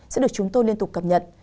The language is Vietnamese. sẽ được chúng tôi liên tục cập nhật